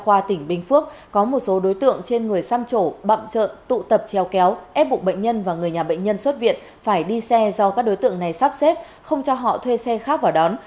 đa khoa tỉnh bình phước có một số đối tượng trên người xăm chỗ bậm trợn tụ tập treo kéo ép buộc bệnh nhân và người nhà bệnh nhân xuất viện phải đi xe do các đối tượng này sắp xếp không cho họ thuê xe khác vào đón